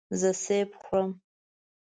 زه سیب خورم.